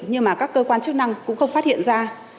nhưng mà các cơ quan chức năng cũng không phát hiện ra